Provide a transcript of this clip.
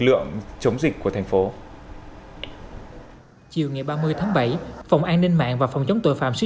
lượng chống dịch của thành phố chiều ngày ba mươi tháng bảy phòng an ninh mạng và phòng chống tội phạm sử